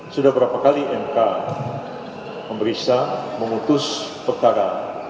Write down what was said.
sudah berapa kali mk memeriksa memutus perkara